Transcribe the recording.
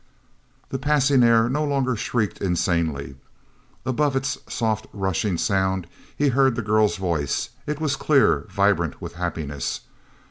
The passing air no longer shrieked insanely. Above its soft rushing sound he heard the girl's voice; it was clear, vibrant with happiness.